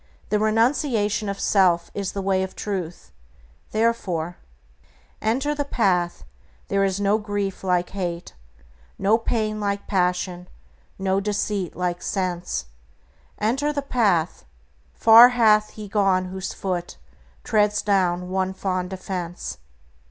The renunciation of self is the way of Truth, therefore, "Enter the Path; there is no grief like hate, No pain like passion, no deceit like sense; Enter the Path; far hath he gone whose foot Treads down one fond offense."